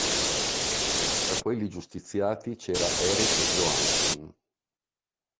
Tra quelli giustiziati c'era Erik Johansson.